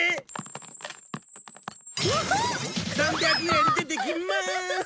３００円出てきまーす。